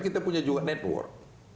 kita punya juga network